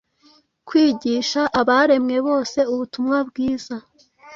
kwigisha abaremwe bose ubutumwa bwiza”